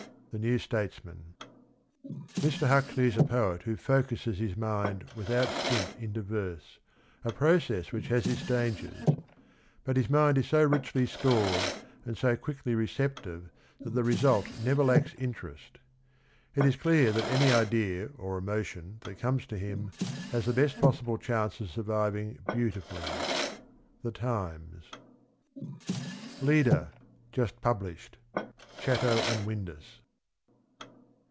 —The New Statesman. " Mr. Huxley is a poet who focuses his mind without stint into verse, a process which has its dangers ; but his mind is so richly stored and so quickly receptive that the result never lacks interest. ... It is clear that any idea or emotion that comes to him has the best possible chance of surviving beautifully." — The Times. LED A. Just Published. Chatto and Windus.